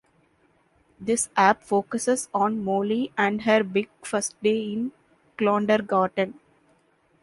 This app focuses on Molly and her big first day in Clowndergarten.